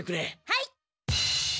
はい。